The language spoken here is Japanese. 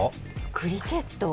クリケット？